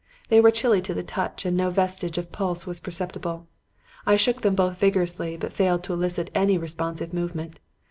They were chilly to the touch and no vestige of pulse was perceptible. I shook them both vigorously, but failed to elicit any responsive movement.